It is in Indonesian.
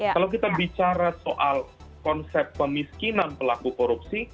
kalau kita bicara soal konsep pemiskinan pelaku korupsi